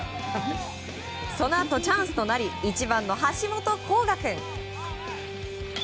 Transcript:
そのあと、チャンスとなり１番の橋本航河君。